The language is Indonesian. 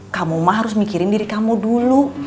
kamu mah harus mikirin diri kamu dulu